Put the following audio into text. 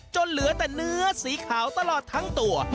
เหลือแต่เนื้อสีขาวตลอดทั้งตัว